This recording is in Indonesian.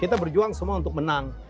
kita berjuang semua untuk menang